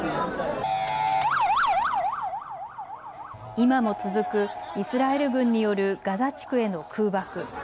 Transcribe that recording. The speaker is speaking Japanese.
今も続くイスラエル軍によるガザ地区への空爆。